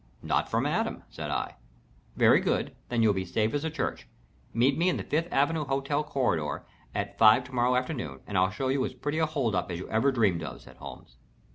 "Not from Adam," said I. "Very good then you'll be safe as a church. Meet me in the Fifth Avenue Hotel corridor at five to morrow afternoon and I'll show you as pretty a hold up as you ever dreamed of," said Holmes.